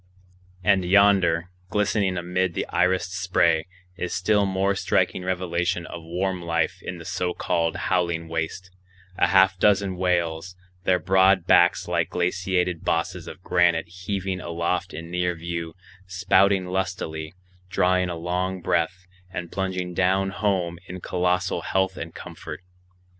And yonder, glistening amid the irised spray, is still more striking revelation of warm life in the so called howling waste,—a half dozen whales, their broad backs like glaciated bosses of granite heaving aloft in near view, spouting lustily, drawing a long breath, and plunging down home in colossal health and comfort.